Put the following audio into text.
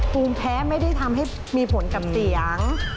ภูมิแพ้ไม่ได้ทำให้มีผลกับเสียง